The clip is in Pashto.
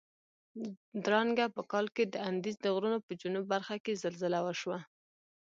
درانګه په کال کې د اندیز د غرونو په جنوب برخه کې زلزله وشوه.